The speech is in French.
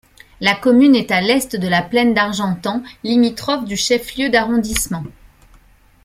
La commune est à l'est de la plaine d'Argentan, limitrophe du chef-lieu d'arrondissement.